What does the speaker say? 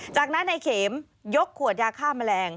จากนั้นนายเข็มยกขวดยาฆ่าแมลง